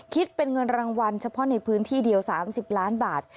คิดเป็นเงินรางวัลเฉพาะในพื้นที่เดียว๓๐ล้านบาท